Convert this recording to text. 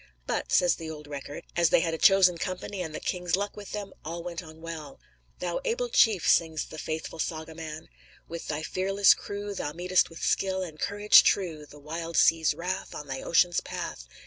"But," says the old record, "as they had a chosen company and the king's luck with them all went on well." "Thou able chief!" sings the faithful saga man, "With thy fearless crew Thou meetest with skill and courage true The wild sea's wrath On thy ocean path.